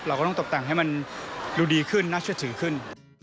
เราก็ต้องตกแต่งให้มันดูดีขึ้นน่าเชื่อถือขึ้น